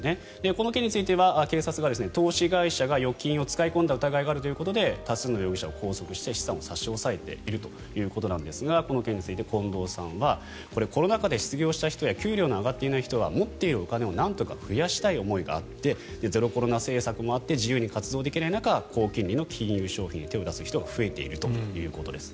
この件については警察が投資会社が預金を使い込んだ疑いがあるということで多数の容疑者を拘束して資産を差し押さえているということですがこの件について近藤さんはコロナ禍で失業した人や給料の上がっていない人は持っているお金をなんとか増やしたい思いがあってゼロコロナ政策もあって自由に活動できない中高金利の金融商品に手を出す人が増えているということです。